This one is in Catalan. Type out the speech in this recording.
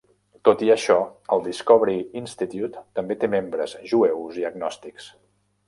Tot i això, el Discovery Institute també té membres jueus i agnòstics.